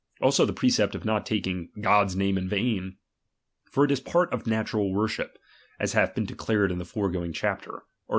Also the precept of not taking Cadi's name in vain ; for it is a part of natural worship, as hath been declared in the foregoing chapter (art.